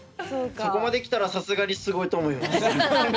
そこまできたらさすがにすごいと思います。